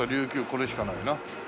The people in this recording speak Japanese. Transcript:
これしかないな。